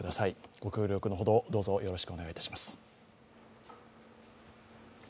ご協力のほどどうぞよろしくお願いいたします。